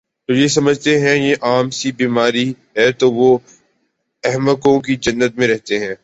جو یہ سمجھتے ہیں یہ عام سی بیماری ہے تو وہ احمقوں کی جنت میں رہتے ہیں